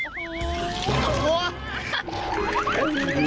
โอ้โห